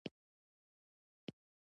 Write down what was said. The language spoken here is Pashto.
اوبسیدیان تور رنګه ځلېدونکې ډبرې وې